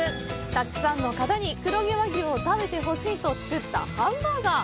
たくさんの方に黒毛和牛を食べてほしいと作ったハンバーガー。